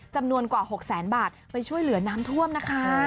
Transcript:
จำนวนกว่า๖แสนบาทไปช่วยเหลือน้ำท่วมนะคะ